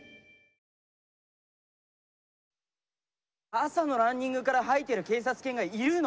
朝のランニングから吐いてる警察犬がいるの？